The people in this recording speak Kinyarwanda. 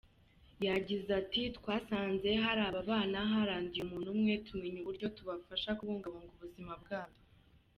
Yagize ati :”Twasanze hari ababana haranduye umuntu umwe, tumenya uburyo tubafasha kubungabunga ubuzima bwabo”.